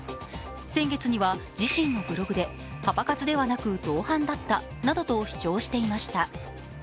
先月には自身のブログでパパ活ではなく同伴だったなどと主張していました。